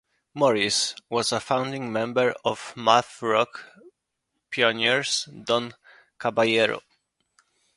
Morris was a founding member of the math rock pioneers Don Caballero.